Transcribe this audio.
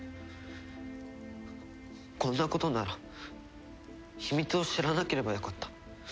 こんなことなら秘密を知らなければよかった。